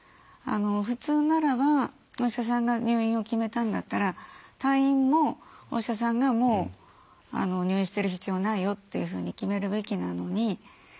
普通ならばお医者さんが入院を決めたんだったら退院もお医者さんがもう入院してる必要ないよっていうふうに決めるべきなのに。